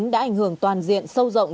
đã ảnh hưởng toàn diện sâu rộng